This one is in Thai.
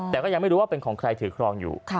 แต่ก็ยังไม่รู้ว่าเป็นของใครถือครองอยู่